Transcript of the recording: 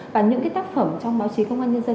và những tác phẩm trong báo chí công an nhân dân